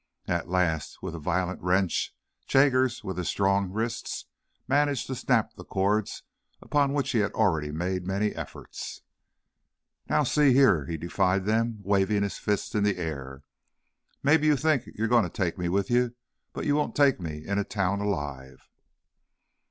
At last, with a violent wrench, Jaggers, with his strong wrists, managed to snap the cords upon which he had already made many efforts. "Now, see here," he defied them, waving his fists in the air, "mebbe ye think ye're goin' to take me with ye, but ye won't take me inter town alive!"